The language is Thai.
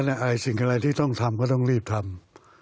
จนก็อะไรสิ่งที่ต้องทำก็ต้องรีบทำ